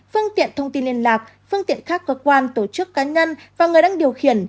phương tiện thông tin liên lạc phương tiện khác cơ quan tổ chức cá nhân và người đang điều khiển